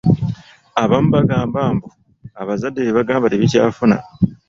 Abamu bagamba mbu abazadde bye babagamba tebikyafuna.